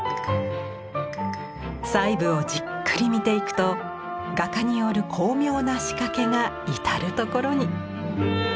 細部をじっくり見ていくと画家による巧妙な仕掛けが至る所に。